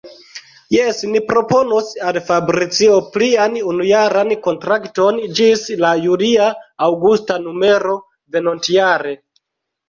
Jes, ni proponos al Fabricio plian unujaran kontrakton, ĝis la julia-aŭgusta numero venontjare.